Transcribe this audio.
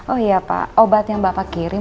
oh iya pak obat yang bapak kirim